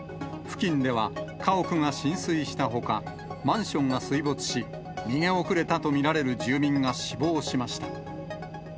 付近では家屋が浸水したほか、マンションが水没し、逃げ遅れたと見られる住民が死亡しました。